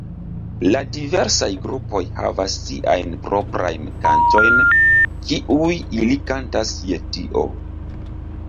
La diversaj grupoj havas siajn proprajn kantojn, kiuj ili kantas je tio.